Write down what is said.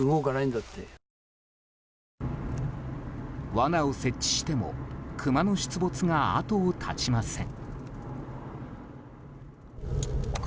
罠を設置してもクマの出没が後を絶ちません。